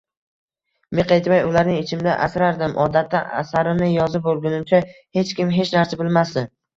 Miq etmay, ularni ichimda asrardim, odatda, asarimni yozib boʻlgunimcha hech kim hech narsa bilmasdi